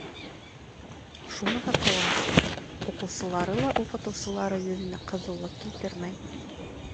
Шуныһы ҡыуаныслы: уҡыусылары ла уҡытыусылары йөҙөнә ҡыҙыллыҡ килтермәй.